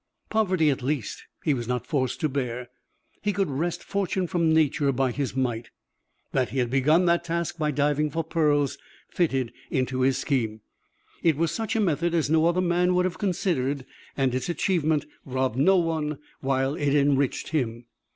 Poverty, at least, he was not forced to bear. He could wrest fortune from nature by his might. That he had begun that task by diving for pearls fitted into his scheme. It was such a method as no other man would have considered and its achievement robbed no one while it enriched him.